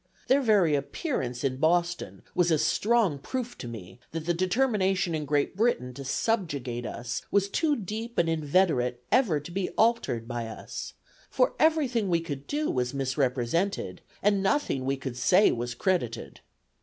Their very appearance in Boston was a strong proof to me, that the determination in Great Britain to subjugate us was too deep and inveterate ever to be altered by us; for every thing we could do was misrepresented, and nothing we could say was credited.